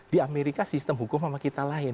di amerika sistem hukum sama kita lain